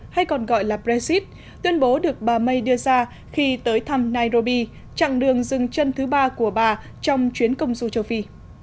hay còn gọi là brexit tuyên bố được bà may đưa ra khi tới thăm nairobi chặng đường dừng chân thứ ba của bà trong chuyến công du châu phi